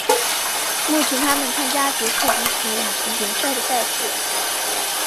目前他们参加捷克足球乙级联赛的赛事。